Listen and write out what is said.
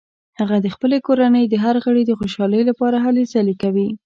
هغه د خپلې کورنۍ د هر غړي د خوشحالۍ لپاره هلې ځلې کوي